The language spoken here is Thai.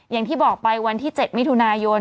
อย่างที่บอกไปวันที่๗มิถุนายน